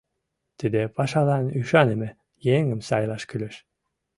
— Тиде пашалан ӱшаныме еҥым сайлаш кӱлеш.